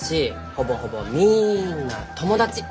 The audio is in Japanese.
ほぼほぼみんな友達。